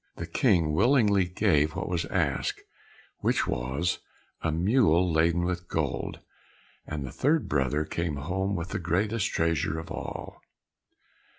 The King willingly gave what was asked, which was a mule laden with gold, and the third brother came home with the greatest treasure of all.